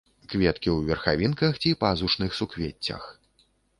Кветкі ў верхавінках ці пазушных суквеццях.